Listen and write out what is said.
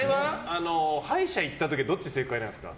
歯医者いった時はどっちが正解なんですか？